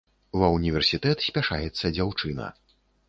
Ва ўніверсітэт спяшаецца дзяўчына.